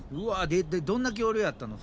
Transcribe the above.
でどんな恐竜やったの？